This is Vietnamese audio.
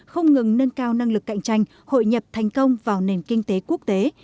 không ngừng nâng cao năng lực cạnh tranh hội nhập thành công vào nền kinh tế quốc tế